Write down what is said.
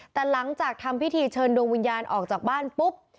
แต่หลังจากทำพิธีเชิญดวงวิญญาณออกจากบ้านปุ๊บ